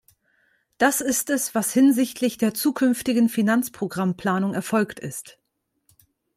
Das ist es, was hinsichtlich der zukünftigen Finanzprogrammplanung erfolgt ist.